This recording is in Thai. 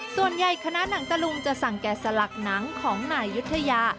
ส่วนใหญ่คณะนังตะลุงจะสั่งแก่สลักนังของนายุธยา